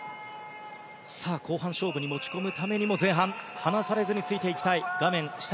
後半勝負に持ち込むためには前半離されずについていきたい。